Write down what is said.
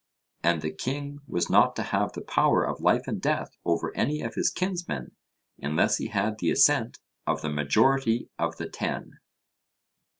And the king was not to have the power of life and death over any of his kinsmen unless he had the assent of the majority of the ten.